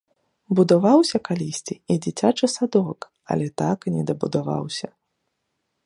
Будаваўся калісьці і дзіцячы садок, але так і не дабудаваўся.